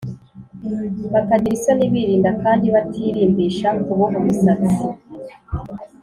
bakagira isoni birinda, kandi batirimbisha kuboha umusatsi